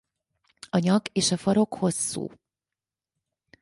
A nyak és a farok hosszú.